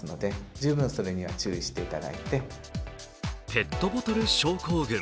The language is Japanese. ペットボトル症候群。